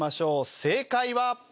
正解は。